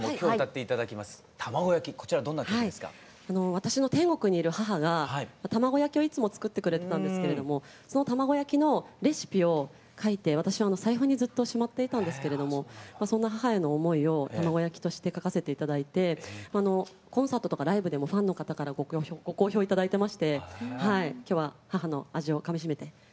私の天国にいる母がたまごやきをいつも作ってくれてたんですけれどもそのたまごやきのレシピを書いて私は財布にずっとしまっていたんですけれどもそんな母への思いを「たまごやき」として書かせて頂いてコンサートとかライブでもファンの方からご好評頂いてまして母の味をかみしめて歌いたいと思います。